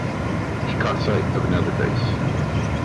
She caught sight of another face.